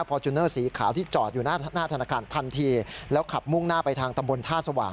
จูเนอร์สีขาวที่จอดอยู่หน้าหน้าธนาคารทันทีแล้วขับมุ่งหน้าไปทางตำบลท่าสว่าง